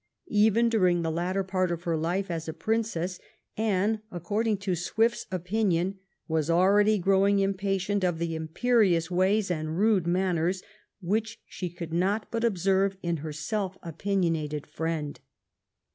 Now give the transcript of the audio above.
Even during the later part of her life as a princess, Anne, according to Swift's 378 THE REIGN OP QUEEN ANNE opinion, was already growing impatient of the imperi ous ways and rude manners which she could not but observe in her self opinionated friend.